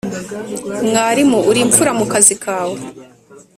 Mwarimu uri imfura mu kazi kawe!